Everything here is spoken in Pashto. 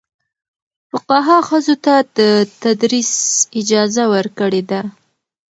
فقهاء ښځو ته د تدریس اجازه ورکړې ده.